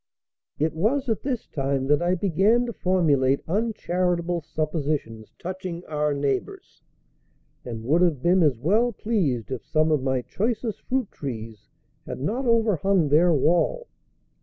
It was at this time that I began to formulate uncharitable suppositions touching our neighbors, and would have been as well pleased if some of my choicest fruit trees had not overhung their wall.